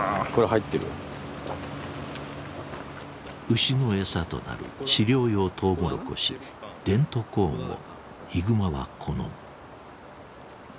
牛の餌となる飼料用トウモロコシデントコーンをヒグマは好む。